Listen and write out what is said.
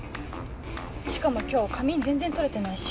しかも今日仮眠全然取れてないし。